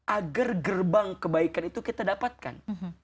agar gerbang kebaikan itu kita dapatkan